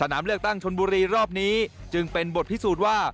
นามเลือกตั้งชนบุรีรอบนี้จึงเป็นบทพิสูจน์ว่า